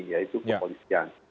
ya itu kepolisian